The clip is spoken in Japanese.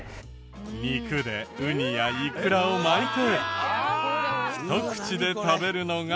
肉でウニやイクラを巻いてひと口で食べるのがオススメなんだそう。